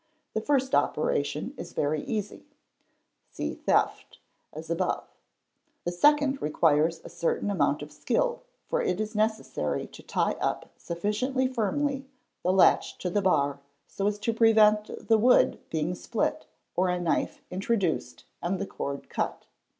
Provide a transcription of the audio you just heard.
'The first operation is very easy (see 'Theft' w.s.); the second _ requires a certain amount of skill, for it is necessary to tie up sufticiently firmly the latch to the bar so as to prevent the wood being split or a s knife introduced and the cord cut.